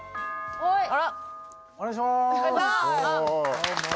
お願いします。